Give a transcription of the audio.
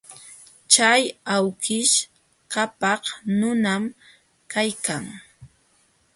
Chay awkish qapaq nunam kaykan.